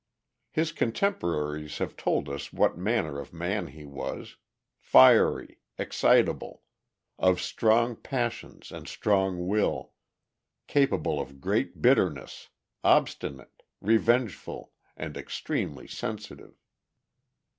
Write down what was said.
His contemporaries have told us what manner of man he was fiery, excitable, of strong passions and strong will, capable of great bitterness, obstinate, revengeful, and extremely sensitive.